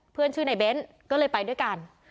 เพื่อนชื่อในเบ้นก็เลยไปด้วยกัน